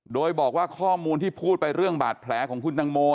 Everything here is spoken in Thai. โดยบอกว่าข้อมูลที่พูดไปเรื่องบาดแผลของคุณตังโม